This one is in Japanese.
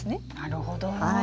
なるほどな。